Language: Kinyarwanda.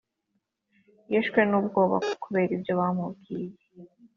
yishwe n'ubwoba kubera ibyo bamubwiye